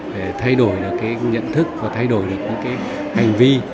để thay đổi được cái nhận thức và thay đổi được những cái hành vi